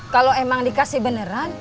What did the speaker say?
kalau emang dikasih beneran